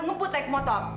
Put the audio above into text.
ngebut naik motor